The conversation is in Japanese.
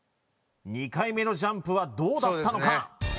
２回目のジャンプはどうだったのか？